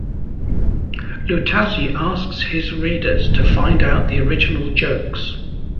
Luttazzi asks his readers to find out the original jokes.